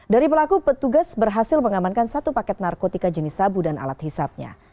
dari pelaku petugas berhasil mengamankan satu paket narkotika jenis sabu dan alat hisapnya